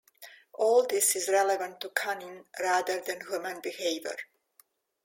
All this is relevant to canine rather than human behavior.